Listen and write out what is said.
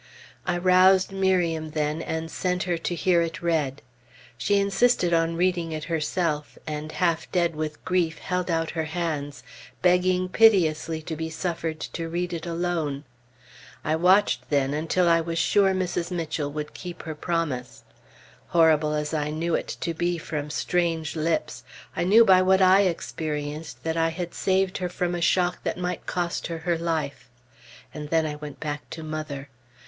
I roused Miriam then and sent her to hear it read. She insisted on reading it herself, and half dead with grief held out her hands, begging piteously to be suffered to read it alone. I watched then until I was sure Mrs. Mitchell would keep her promise. Horrible as I knew it to be from strange lips, I knew by what I experienced that I had saved her from a shock that might cost her her life; and then I went back to mother.